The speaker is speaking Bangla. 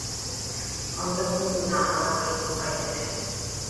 কমলা কহিল, না, আমার ভারি ঘুম পাইয়াছে।